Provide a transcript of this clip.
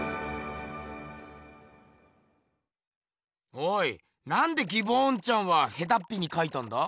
おいなんでギボーンちゃんはヘタッピにかいたんだ？